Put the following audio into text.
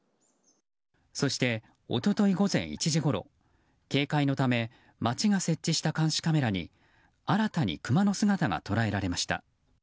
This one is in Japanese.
そして、一昨日午前１時ごろ警戒のため町が設置した監視カメラに新たにクマの姿が捉えられました。